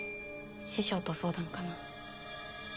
師匠と相談かな。